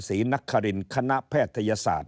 สีนักคารินคณะแพทยศาสตร์